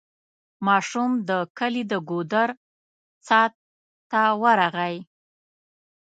ماشوم د کلي د ګودر څا ته ورغی.